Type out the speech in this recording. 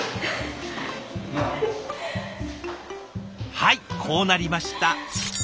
はいこうなりました。